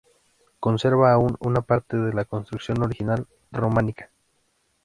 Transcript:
Conserva aún una parte de la construcción original románica.